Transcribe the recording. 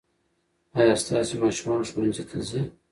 ايا ستاسې ماشومان ښوونځي ته ځي؟